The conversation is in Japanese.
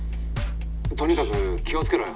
「とにかく気をつけろよ。